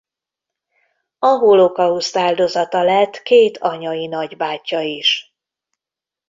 A holokauszt áldozata lett két anyai nagybátyja is.